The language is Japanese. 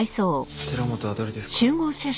寺本はどれですか？